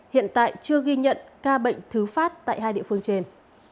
hiện tại chưa ghi nhận ca bệnh thứ phát tại hai địa phương trên